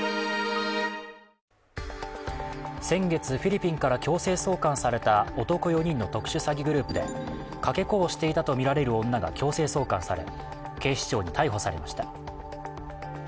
先月、フィリピンから強制送還された男４人の特殊詐欺グループでかけ子をしていたとみられる女が強制送還され警視庁に逮捕されました。